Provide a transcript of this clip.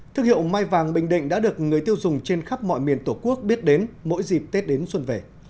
thương hiệu mai vàng bình định đã được người tiêu dùng trên khắp mọi miền tổ quốc biết đến mỗi dịp tết đến xuân về